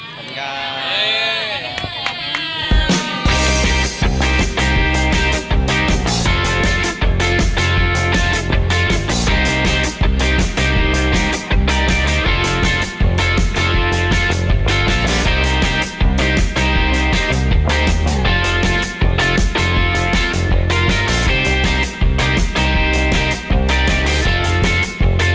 ขอบคุณครับ